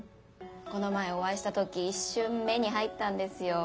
この前お会いした時一瞬目に入ったんですよ。